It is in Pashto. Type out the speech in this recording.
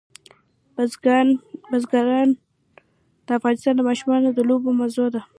بزګان د افغان ماشومانو د لوبو موضوع ده.